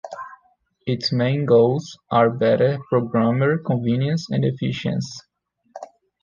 Its main goals are better programmer convenience and efficiency.